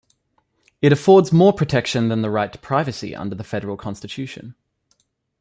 It affords more protection than the right to privacy under the Federal Constitution.